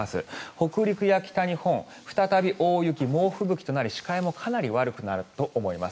北陸や北日本再び大雪猛吹雪となり、視界もかなり悪くなると思います。